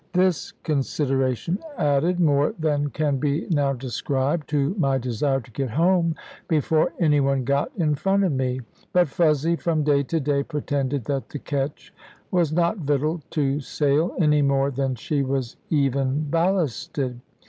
This consideration added, more than can be now described, to my desire to get home before any one got in front of me. But Fuzzy, from day to day, pretended that the ketch was not victualled to sail, any more than she was even ballasted.